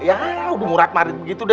ya udah murad marid gitu deh